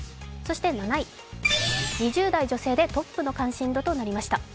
そして７位、２０代女性でトップの関心度となりました。